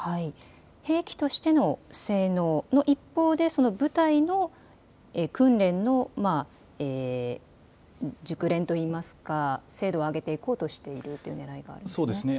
兵器としての性能の一方で部隊の訓練の熟練といいますか精度を上げていこうとしているというねらいがあるんですね。